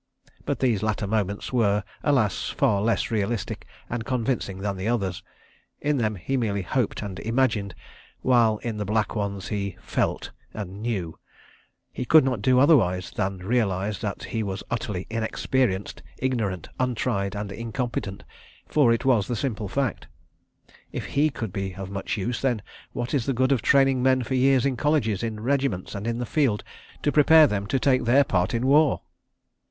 But these latter moments were, alas, far less realistic and convincing than the others. In them he merely hoped and imagined—while in the black ones he felt and knew. He could not do otherwise than realise that he was utterly inexperienced, ignorant, untried and incompetent, for it was the simple fact. If he could be of much use, then what is the good of training men for years in colleges, in regiments, and in the field, to prepare them to take their part in war?